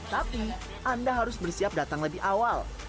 tapi anda harus bersiap datang lebih awal